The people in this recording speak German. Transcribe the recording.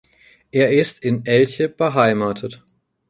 Er ist in Elche beheimatet.